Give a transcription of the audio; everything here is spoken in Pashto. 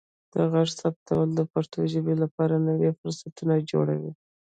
د غږ ثبتول د پښتو ژبې لپاره نوي فرصتونه جوړوي.